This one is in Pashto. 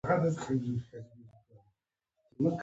باران د افغان کلتور په داستانونو کې راځي.